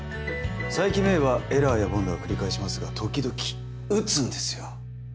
佐伯芽依はエラーや凡打を繰り返しますが時々打つんですよ。